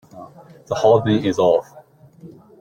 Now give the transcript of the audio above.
The whole thing is off.